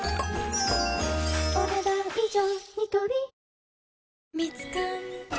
お、ねだん以上。